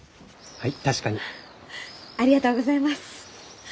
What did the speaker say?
はい。